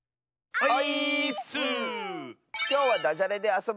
はい！